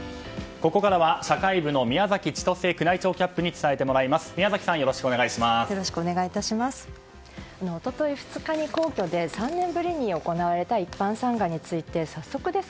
ここからは社会部の宮崎千歳宮内庁キャップに伝えてもらいます。